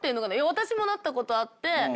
私もなったことあって。